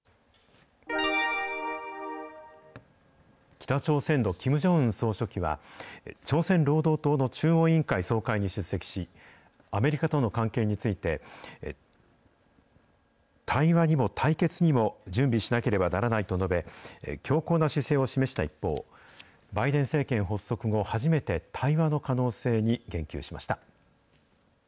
北朝鮮のキム・ジョンウン総書記は、朝鮮労働党の中央委員会総会に出席し、アメリカとの関係について、対話にも対決にも準備しなければならないと述べ、強硬な姿勢を示した一方、バイデン政権発足後、初めて対話の可能性に言及しました。